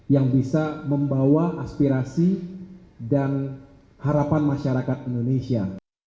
yang bisa membawa aspirasi dan harapan masyarakat indonesia